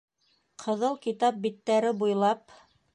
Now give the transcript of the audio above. Ҡыҙыл китап биттәре буйлап